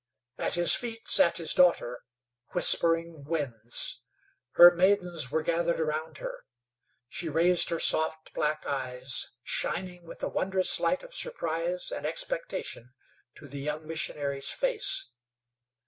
At his feet sat his daughter, Whispering Winds. Her maidens were gathered round her. She raised her soft, black eyes, shining with a wondrous light of surprise and expectation, to the young missionary's face.